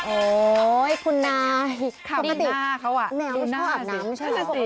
โอ้ยคุณนายค่ะนี่หน้าเขาอ่ะแมวเขาชอบอาบน้ำใช่ไหม